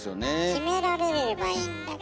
決められればいいんだけど。